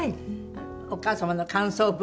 お母様の感想文。